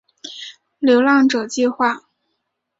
流浪者计画